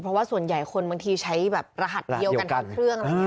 เพราะว่าส่วนใหญ่คนบางทีใช้แบบรหัสเดียวกันทั้งเครื่องอะไรอย่างนี้